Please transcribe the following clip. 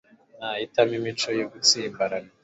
nahitamo imico yo gutsimbarara